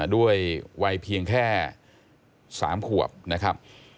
ด้วยวัยเพียงแค่๓ขวบนะครับ